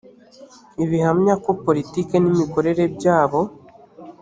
ibihamya ko politiki n imikorere byabo